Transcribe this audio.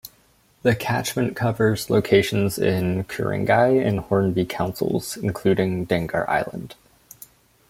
The catchment covers locations in Ku-ring-gai and Hornsby councils, including Dangar Island.